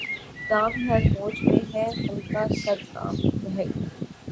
دام ہر موج میں ہے حلقۂ صد کام نہنگ